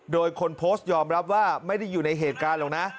โดยคนโพสต์ยอมรับว่าไม่ได้อยู่ในเหตุการณ์หรอกนะ